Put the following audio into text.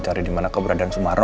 cari di mana keberadaan sumaro